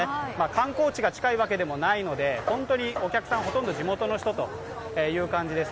観光地が近いわけでもないので本当にお客さんはほとんど地元の人という感じです。